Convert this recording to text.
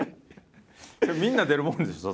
みんな出るもんでしょ？